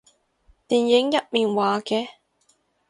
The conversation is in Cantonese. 電影入面話嘅